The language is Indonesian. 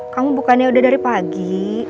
kamu bukannya udah dari pagi